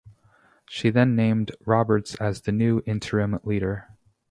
She then named Roberts as the new interim leader.